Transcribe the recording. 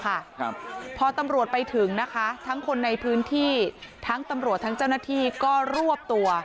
ครับพอตำรวจไปถึงนะคะทั้งคนในพื้นที่ทั้งตำรวจทั้งเจ้าหน้าที่ก็รวบตัว